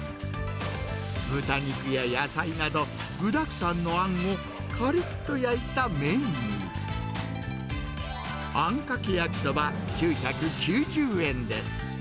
豚肉や野菜など、具だくさんのあんをかりっと焼いた麺に、あんかけ焼きそば９９０円です。